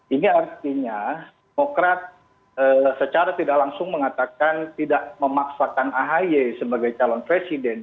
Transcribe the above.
ini artinya demokrat secara tidak langsung mengatakan tidak memaksakan ahy sebagai calon presiden